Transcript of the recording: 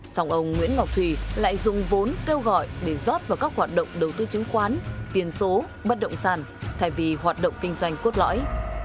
xong ông nguyễn ngọc thùy lại dùng vốn kêu gọi để rót vào các hoạt động đầu tư chứng khoán tiền số bất động sản thay vì hoạt động kinh doanh cốt lõi